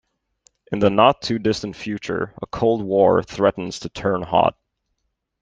In the not-too-distant future, a cold war threatens to turn hot.